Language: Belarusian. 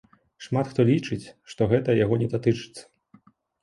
Шмат хто лічыць, што гэта яго не датычыцца.